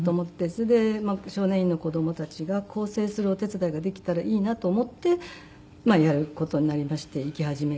それで少年院の子供たちが更生するお手伝いができたらいいなと思ってやる事になりまして行き始めてたんですけど。